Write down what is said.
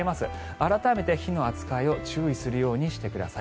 改めて、火の扱いを注意するようにしてください。